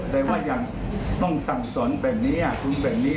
แต่ว่ายังต้องสั่งสนแบบนี้คุณแบบนี้